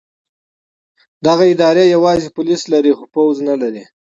دغه اداره یوازې پولیس لري خو پوځ نه لري.